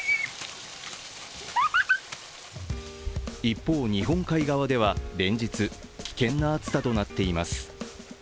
一方、日本海側では連日危険な暑さとなっています。